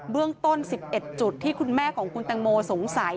เรื่องต้น๑๑จุดที่คุณแม่ของคุณตังโมสงสัย